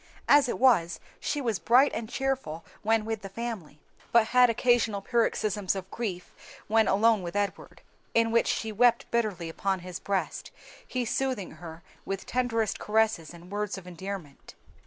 As it was she was bright and cheerful when with the family, but had occasional paroxysms of grief when alone with Edward, in which she wept bitterly upon his breast, he soothing her with tenderest caresses and words of endearment.